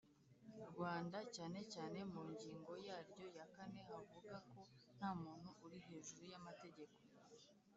Rwanda cyane cyane mu ngingo yaryo ya kane havuga ko ntamuntu uri hejuru y’amategeko.